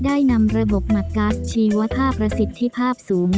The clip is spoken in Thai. ได้นำระบบมากัสชีวภาพประสิทธิภาพสูง